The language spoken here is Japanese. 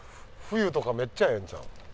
冬とかめっちゃええんちゃう？